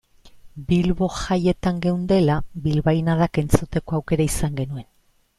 Bilbo jaietan geundela bilbainadak entzuteko aukera izan genuen.